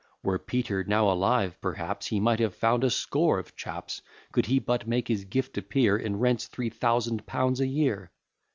Were Peter now alive, perhaps, He might have found a score of chaps, Could he but make his gift appear In rents three thousand pounds a year.